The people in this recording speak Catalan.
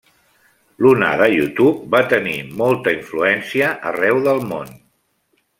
L’onada YouTube va tenir molta influència arreu del món.